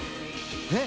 えっ？